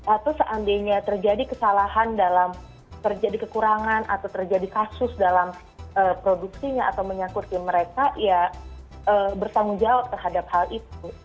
atau seandainya terjadi kesalahan dalam terjadi kekurangan atau terjadi kasus dalam produksinya atau menyangkut mereka ya bertanggung jawab terhadap hal itu